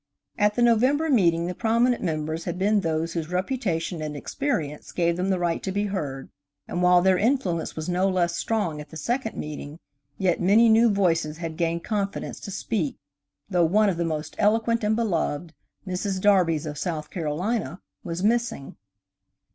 At the November meeting, the prominent members had been those whose reputation and experience gave them the right to be heard, and while their influence was no less strong at the second meeting, yet many new voices had gained confidence to speak, though one of the most eloquent and beloved–Mrs. Darby's of South Carolina–was missing.